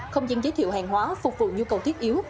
không gian giới thiệu hàng hóa phục vụ nhu cầu thiết yếu